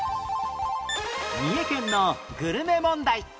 三重県のグルメ問題